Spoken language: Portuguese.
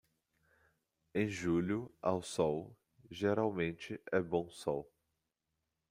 Em julho, ao sol, geralmente é bom sol.